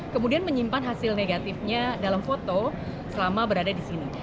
kemudian menyimpan hasil negatifnya dalam foto selama berada di sini